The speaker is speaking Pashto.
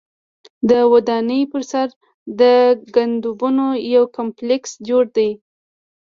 د ودانۍ پر سر د ګنبدونو یو کمپلیکس جوړ دی.